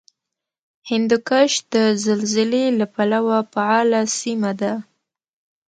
هندوکش د زلزلې له پلوه فعاله سیمه ده